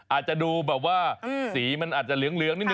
อาจจะดูแบบว่าสีมันแถวหลืองนิ้ว